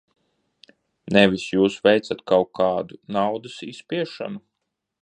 Nevis jūs veicat kaut kādu naudas izspiešanu?